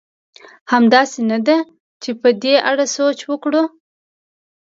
همداسې نه ده؟ چې په دې اړه سوچ وکړو.